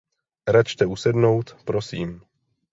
Račte usednout, prosím.